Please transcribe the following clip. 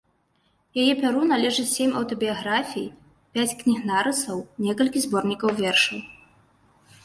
Яе пяру належыць сем аўтабіяграфіі, пяць кніг нарысаў, некалькі зборнікаў вершаў.